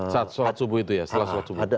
saat suatu subuh itu ya